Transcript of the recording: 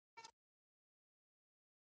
د احمد واده سوري سوري کړم.